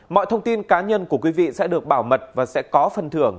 mọi thông tin cá nhân của quý vị sẽ được bảo mật và sẽ có phần thưởng